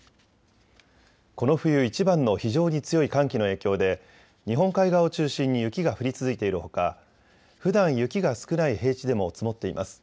この冬いちばんの非常に強い寒気の影響で日本海側を中心に雪が降り続いているほかふだん雪が少ない平地でも積もっています。